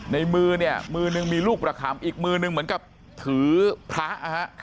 ในมือเนี่ยมือนึงมีลูกประคำอีกมือนึงเหมือนกับถือพระนะฮะ